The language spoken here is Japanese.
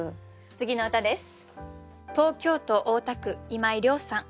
次の歌です。